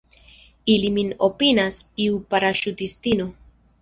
Ili min opinias iu paraŝutistino.